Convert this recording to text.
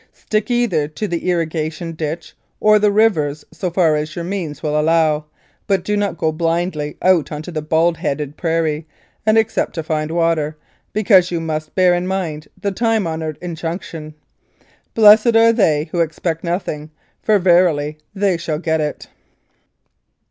Stick either to the irrigation ditch or to the rivers so far as your means will allow, but do not go blindly out on to the bald headed prairie and expect to find water, because you must bear in mind the time honoured injunction, ' Blessed are they who expect nothing, for verily they shall get it.'